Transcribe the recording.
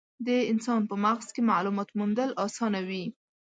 د انسان په مغز کې مالومات موندل اسانه وي.